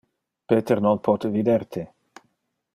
Peter non pote vider te.